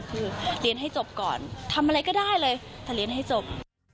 คือเรียนให้จบก่อนทำอะไรก็ได้เลยถ้าเรียนให้จบ